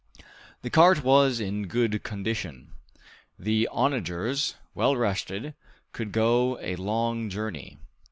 The cart was in good condition. The onagers, well rested, could go a long journey.